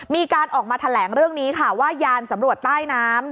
มีการออกมาแถลงเรื่องนี้ค่ะว่ายานสำรวจใต้น้ำ